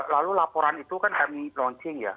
lalu laporan itu kan kami launching ya